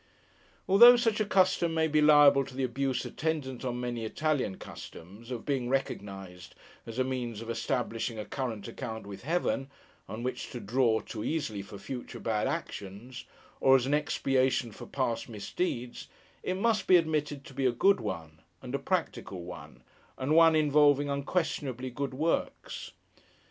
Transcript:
Although such a custom may be liable to the abuse attendant on many Italian customs, of being recognised as a means of establishing a current account with Heaven, on which to draw, too easily, for future bad actions, or as an expiation for past misdeeds, it must be admitted to be a good one, and a practical one, and one involving unquestionably good works.